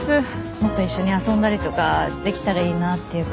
もっと一緒に遊んだりとかできたらいいなあっていうか。